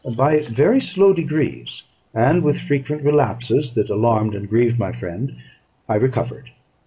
By very slow degrees, and with frequent relapses, that alarmed and grieved my friend, I recovered.